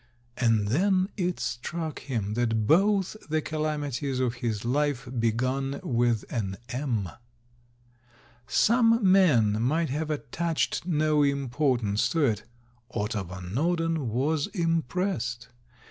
And then it struck him that both the calamities of his life begun with an M. Some men might have attached no importance to it ; Otto Van Norden was impressed.